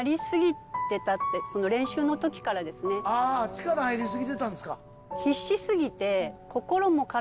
力入り過ぎてたんですか？